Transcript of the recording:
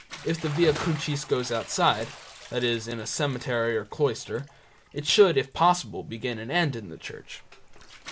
If the Via Crucis goes outside, e.g., in a cemetery or cloister, it should if possible begin and end in the church.